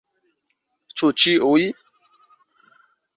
Ĉu ĉiuj?